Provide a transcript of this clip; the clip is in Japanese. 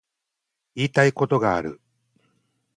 言いたいことがある